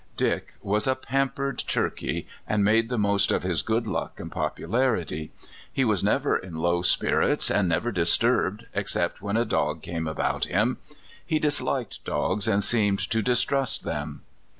Dick was a pampered turkey, and made the most of his good luck and popularity. He w^as never in low spirits, and never disturbed, except when a dog came about him. He disliked dogs, and seemed to distrust them.